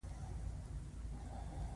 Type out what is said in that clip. کله چې یخ کلک شي دوی بیا سکي کاروي